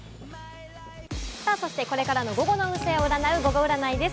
そして、これからの午後の運勢を占うゴゴ占いです。